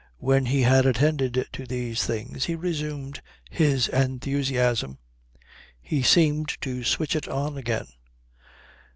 When he had attended to these things he resumed his enthusiasm; he seemed to switch it on again.